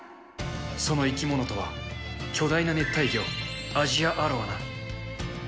その生き物とは、巨大な熱帯魚、アジアアロワナ。